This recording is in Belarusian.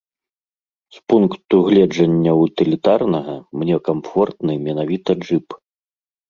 З пункту гледжання утылітарнага, мне камфортны менавіта джып.